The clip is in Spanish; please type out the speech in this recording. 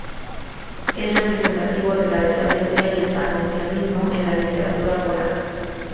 Es representativo de la decadencia y el parnasianismo en la literatura polaca.